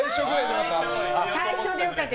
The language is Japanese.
最初で良かった。